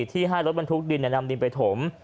ที่ให้รถบรรทุกดินนำดินไปถม